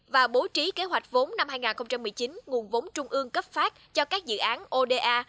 và bố trí kế hoạch vốn năm hai nghìn một mươi chín nguồn vốn trung ương cấp phát cho các dự án oda